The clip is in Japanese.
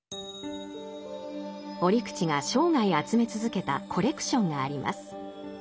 折口が生涯集め続けたコレクションがあります。